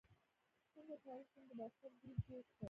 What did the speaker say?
څنګه کولی شم د واټساپ ګروپ جوړ کړم